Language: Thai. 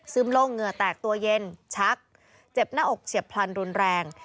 ลงเหงื่อแตกตัวเย็นชักเจ็บหน้าอกเฉียบพลันรุนแรง